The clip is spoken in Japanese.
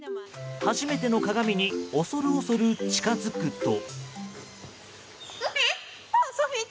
初めての鏡に恐る恐る近づくと。